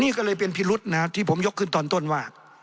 นี่ก็เลยเป็นพิรุษนะที่ผมยกขึ้นตอนต้นว่า